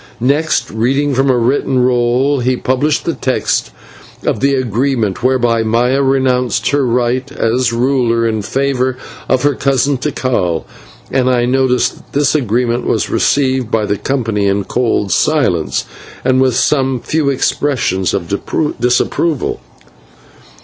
Next, reading from a written roll, he published the text of the agreement whereby Maya renounced her right as ruler in favour of her cousin Tikal, and I noticed that this agreement was received by the company in cold silence and with some few expressions of disapproval.